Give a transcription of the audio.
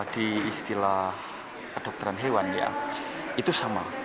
di istilah dokteran hewan itu sama